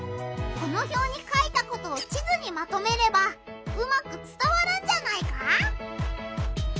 このひょうに書いたことを地図にまとめればうまくつたわるんじゃないか？